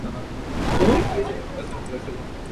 Era una entidad política prácticamente autónoma.